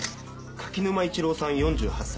垣沼一郎さん４８歳。